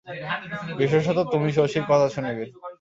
বিশেষত তুমি শশীর কথা শুনিবে।